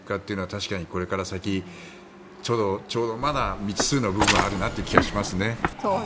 確かにこれから先ちょっとまだ未知数な部分はあるなっていう気がしますね。